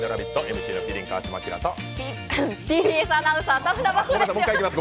ＭＣの麒麟・川島明とゴホンッ、ＴＢＳアナウンサー・田村真子です。